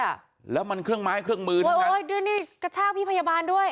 แล้วมันเครื่องไม้เครื่องมือด้วยโอ้ยด้วยนี่กระชากพี่พยาบาลด้วย